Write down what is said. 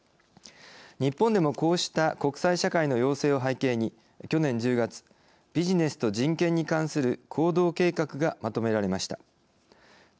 日本でもこうした国際社会の要請を背景に去年１０月ビジネスと人権に関する行動計画がまとめられました。